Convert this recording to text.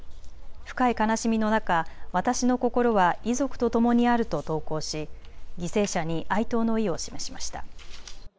深い悲しみの中、私の心は遺族とともにあると投稿し犠牲者に哀悼の意を示しました。